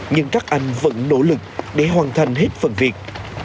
nhưng các anh vẫn nỗ lực để hoàn thành hết phần việc